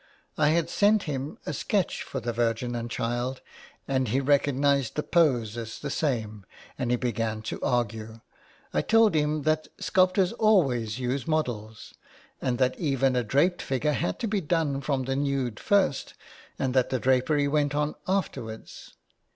I had sent him a sketch for the Virgin and Child, and he recognised the pose as the same, and he began to argue. I told him that sculptors always used models, and that even a draped figure had to be done from the nude first, and that the drapery went on after wards.